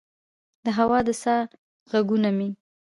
د هوا د سا ه ږغونه مې